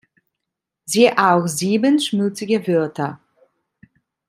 Siehe auch: Sieben schmutzige Wörter.